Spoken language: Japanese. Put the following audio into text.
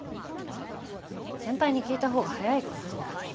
先輩に聞いた方が早いから。